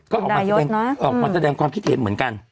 ก็ออกมาแสดงความคิดเห็นเหมือนกัน